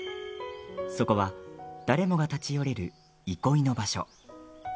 そこは誰もが立ち寄れる憩いの場所。